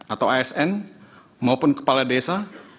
atau asn maupun kepala desa